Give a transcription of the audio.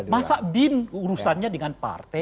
masa bin urusannya dengan partai